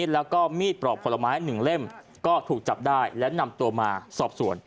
แล้วก็มีดปลอกผลไม้๑เล่มก็ถูกจับได้แล้วนำตัวมาสอบสวน